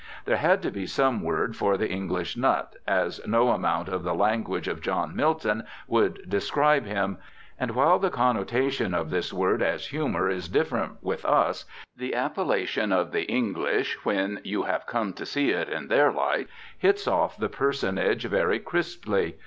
There had to be some word for the English "nut," as no amount of the language of John Milton would describe him; and while the connotation of this word as humour is different with us, the appellation of the English, when you have come to see it in their light, hits off the personage very crisply.